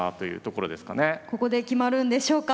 ここで決まるんでしょうか。